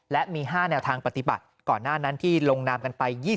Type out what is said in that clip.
และมี๕แนวทางปฏิบัติก่อนหน้านั้นที่ลงนามกันไป